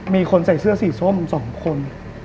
มีคนใส่เสื้อสีส้ม๒คน